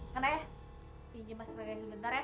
tidak dipanggil oleh sifatnya ibu bany laut